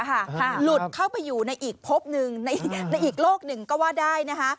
หลุดเข้าไปอยู่ในอีกพบหนึ่งในอีกโลกหนึ่งก็ว่าได้นะคะ